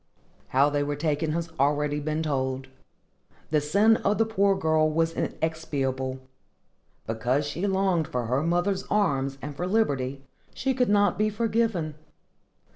How they were taken has already been told. The sin of the poor girl was inexpiable. Because she longed for her mother's arms and for liberty, she could not be forgiven.